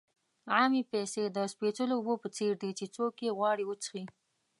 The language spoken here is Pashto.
عامې پیسې د سپېڅلو اوبو په څېر دي چې څوک یې غواړي وڅښي.